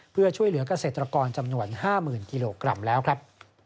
เพื่อช่วยเหลือกเกษตรกรจำนวน๕๐๐๐กิโลกรัมแล้วครับ